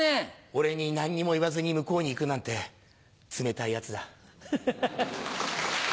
俺に何にも言わずに向こうにいくなんて冷たいヤツだ。